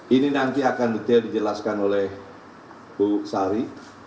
ini nanti akan detail dijelaskan oleh bu sari